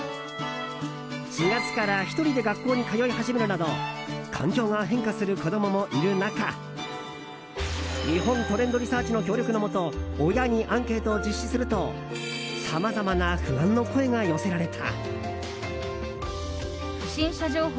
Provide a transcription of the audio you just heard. ４月から１人で学校に通い始めるなど環境が変化する子供もいる中日本トレンドリサーチの協力のもと親にアンケートを実施するとさまざまな不安の声が寄せられた。